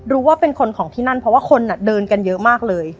รู้ว่าเป็นคนของที่นั่นเพราะว่าคนเดินกันเยอะมากเลย